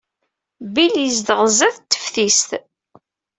Bill yezdeɣ sdat teftist.